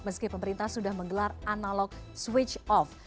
meski pemerintah sudah menggelar analog switch off